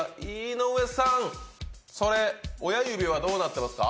井上さんそれ親指はどうなってますか？